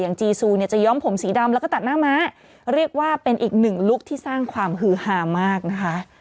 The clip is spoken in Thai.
จีซูเนี่ยจะย้อมผมสีดำแล้วก็ตัดหน้าม้าเรียกว่าเป็นอีกหนึ่งลุคที่สร้างความฮือฮามากนะคะ